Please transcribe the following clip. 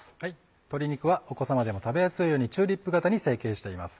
鶏肉はお子さまでも食べやすいようにチューリップ形に成形しています。